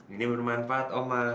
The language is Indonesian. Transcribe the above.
ini bermanfaat oma